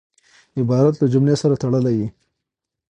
عبارت له جملې سره تړلی يي.